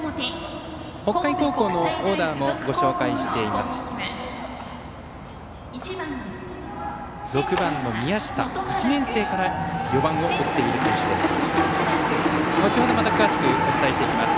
北海高校のオーダーもご紹介しています。